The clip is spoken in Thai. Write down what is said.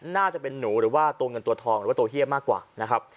น่าจะเป็นหนูหรือว่าตัวเงินตัวทองหรือว่าตัวเฮียมากกว่านะครับ